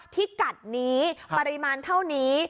พิกัดนี้ปริมาณเท่านี้